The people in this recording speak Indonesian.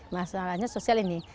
masalahnya sosial ini